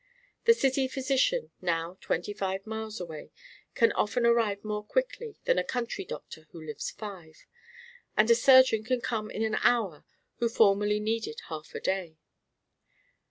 The city physician now twenty five miles away can often arrive more quickly than a country doctor who lives five; and a surgeon can come in an hour who formerly needed half a day.